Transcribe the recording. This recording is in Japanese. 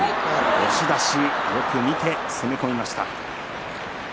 押し出しよく見て攻め込みました。